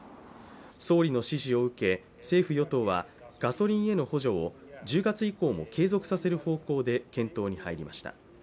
総理の指示を受け、政府・与党はガソリンへの補助を１０月以降も継続させる方向で検討に入りました。